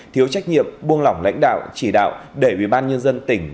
thiếu trách nhiệm buông lỏng lãnh đạo chỉ đạo để ủy ban nhân dân tỉnh